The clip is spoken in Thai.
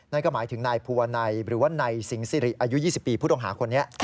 นั่นก็หมายถึงนายภูวนัยหรือว่านายสิงสิริอายุ๒๐ปีผู้ต้องหาคนนี้